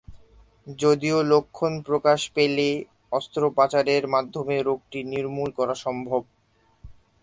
যদিও লক্ষণ প্রকাশ পেলে অস্ত্রোপচারের মাধ্যমে রোগটি নির্মূল করা সম্ভব।